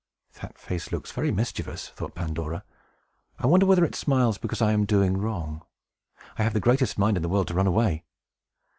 "That face looks very mischievous," thought Pandora. "I wonder whether it smiles because I am doing wrong! I have the greatest mind in the world to run away!"